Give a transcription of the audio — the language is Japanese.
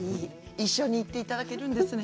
一緒に行っていただけるんですね。